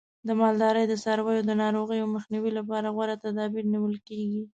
د مالدارۍ د څارویو د ناروغیو مخنیوي لپاره غوره تدابیر نیول کېږي.